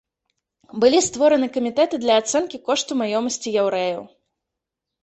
Былі створаны камітэты для ацэнкі кошту маёмасці яўрэяў.